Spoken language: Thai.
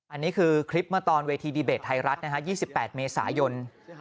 อันนี้คือคลิปเมื่อตอนเวทีดีเบตไทยรัฐนะฮะ๒๘เมษายน